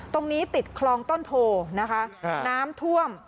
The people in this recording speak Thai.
ตรงนี้ติดคลองต้นโฑน้ำท่วม